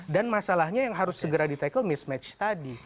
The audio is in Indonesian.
dan masalahnya yang harus segera di tackle mismatch tadi